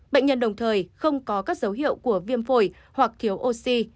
bệnh nhân đồng thời không có các dấu hiệu của viêm phổi hoặc thiếu oxy